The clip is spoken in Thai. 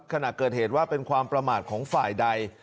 ขณะเกิดเหตุว่าเป็นความประมาทของฝ่ายใด